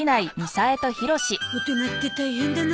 大人って大変だな。